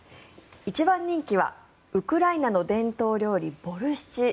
一番人気はウクライナの伝統料理ボルシチ。